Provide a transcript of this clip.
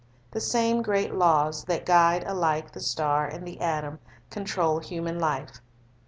The same great laws that guide alike the star and the atom, control human life.